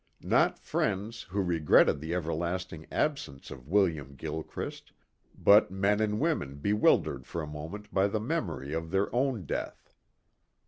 Not friends who regretted the everlasting absence of William Gilchrist, but men and women bewildered for a moment by the memory of their own death.